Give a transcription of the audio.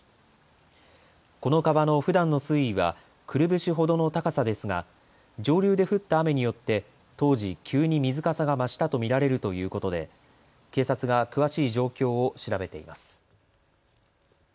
この川のふだんの水位はくるぶしほどの高さですが上流で降った雨によって当時、急に水かさが増したと見られるということで警察が詳しい状況を調べています。